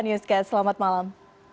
newscast selamat malam